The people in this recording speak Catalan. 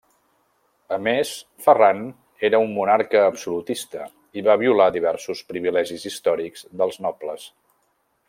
A més, Ferran era un monarca absolutista i va violar diversos privilegis històrics dels nobles.